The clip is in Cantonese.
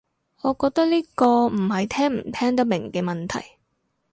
我覺得呢個唔係聽唔聽得明嘅問題